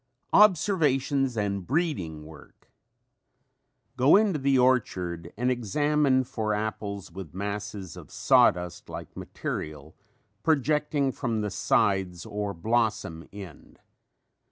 ] OBSERVATIONS AND BREEDING WORK Go into the orchard and examine for apples with masses of sawdust like material projecting from the sides or blossom end.